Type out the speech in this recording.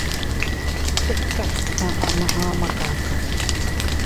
Tika aʼa na ama kaka.